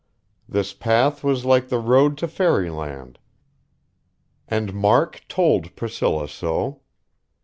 This path was like the road to fairyland; and Mark told Priscilla so.